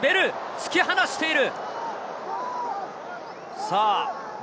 突き放している。